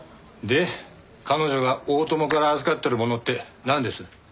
で彼女が大友から預かってるものってなんです？